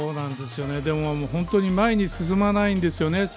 でも、本当に前に進まないんですよね。